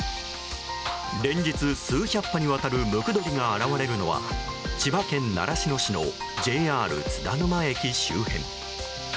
連日、数百羽にわたるムクドリが現れるのは千葉県習志野市のＪＲ津田沼駅周辺。